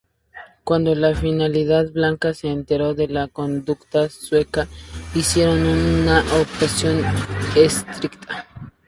Cuando la Finlandia blanca se enteró de la conducta sueca, hicieron una objeción estricta.